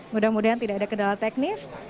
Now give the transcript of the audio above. mudah mudahan tidak ada kendala teknis